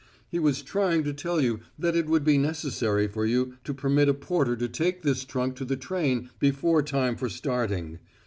He was trying to tell you that it would be necessary for you to permit a porter to take this trunk to the train before time for starting.